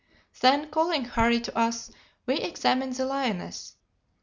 "Then, calling Harry to us, we examined the lioness.